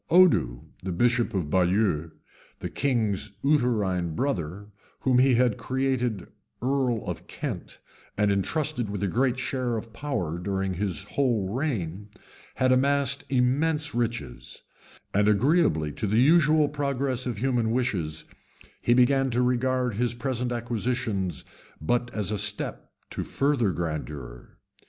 Odo, bishop of Baieux, the king's uterine brother, whom he had created earl of Kent, and intrusted with a great share of power during his whole reign, had amassed immense riches; and agreeably to the usual progress of human wishes, he began to regard his present acquisitions but as a step to further grandeur.